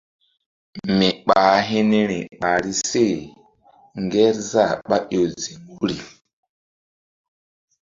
Mi ɓah hi̧ niri ɓahri se Ŋgerzah ɓá ƴo ziŋ wuri.